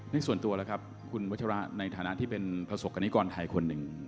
ในส่วนตัวคุณวจระในฐานะที่เป็นภาษกรณิกรไทยคนหนึ่ง